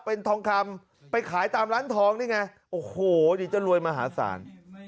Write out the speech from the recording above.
เป็นทองคำไปขายตามร้านทองนี่ไงโอ้โหเดี๋ยวจะรวยมหาศาล